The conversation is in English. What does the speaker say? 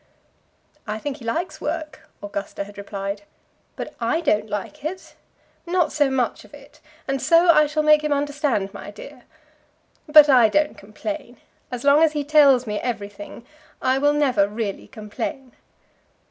"I think he likes work," Augusta had replied. "But I don't like it, not so much of it; and so I shall make him understand, my dear. But I don't complain. As long as he tells me everything, I will never really complain."